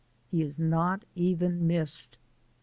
He is not even missed.